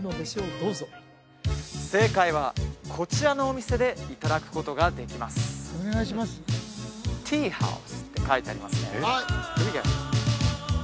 どうぞ正解はこちらのお店でいただくことができます「ＴｅａＨｏｕｓｅ」って書いてありますね